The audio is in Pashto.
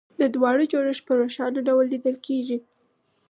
د دواړو جوړښت په روښانه ډول لیدل کېږي